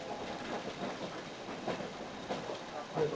中华人民共和国第四机械工业部。